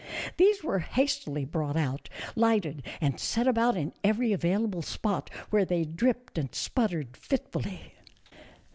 These were hastily brought out, lighted and set about in every available spot, where they dripped and sput tered fitfully.